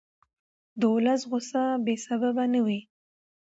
د ولس غوسه بې سببه نه وي